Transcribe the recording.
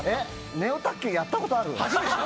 ネオ卓球やったことある？